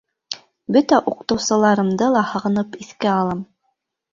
Бөтә уҡытыусыларымды ла һағынып иҫкә алам.